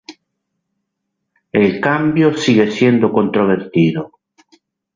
El cambio sigue siendo controvertido.